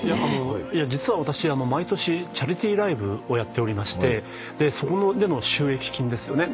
実は私毎年チャリティーライブをやっておりましてそこでの収益金ですよね。